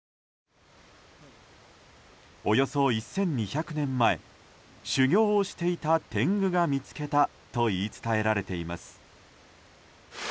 およそ１２００年前修行をしていた天狗が見つけたと言い伝えられています。